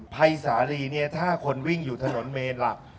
ภัยสาลีเนี่ยถ้าคนวิ่งอยู่ถนนเมนหลัก